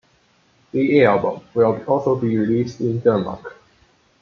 The album will also be released in Denmark.